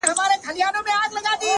جادوگري جادوگر دي اموخته کړم”